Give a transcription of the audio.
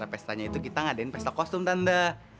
pesta nya itu kita ngadain pesta kostum tante